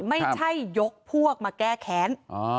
ไม่ใช่ยกพวกมาแก้แค้น